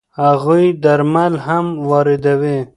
هغوی درمل هم واردوي.